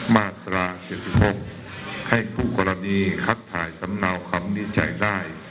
มาตราเจ็ดสิบหกให้ผู้กรณีคัดถ่ายสำเนาคำนิจฉัยได้